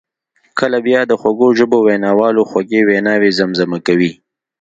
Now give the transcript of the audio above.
کله بیا د خوږ ژبو ویناوالو خوږې ویناوي زمزمه کوي.